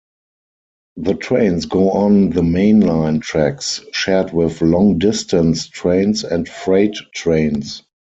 The trains go on the main-line tracks, shared with long-distance trains and freight trains.